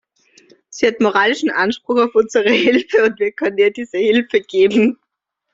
Sie hat moralischen Anspruch auf unsere Hilfe, und wir können ihr diese Hilfe geben.